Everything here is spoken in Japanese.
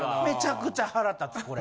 めちゃくちゃ腹立つ。